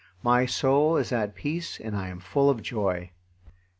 My soul is at peace and I am full of joy."